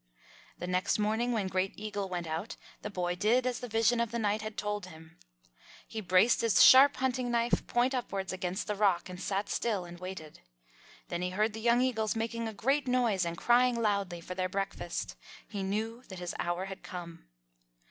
The next morning when Great Eagle went out, the boy did as the vision of the night had told him. He braced his sharp hunting knife, point upwards, against the rock and sat still and waited. Then he heard the young eagles making a great noise and crying loudly for their breakfast. He knew that his hour had come.